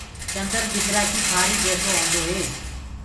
چندر گدرآ ڪي ڦآري جيسو هوندو هي